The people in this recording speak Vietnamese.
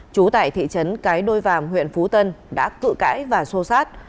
chú tại thị trấn cái đôi vàng huyện phú tân đã cự cãi và xô xát